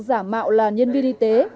giả mạo là nhân viên y tế